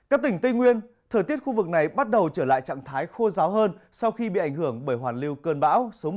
các tỉnh tây nguyên thời tiết khu vực này bắt đầu trở lại trạng thái khô giáo hơn sau khi bị ảnh hưởng bởi mưa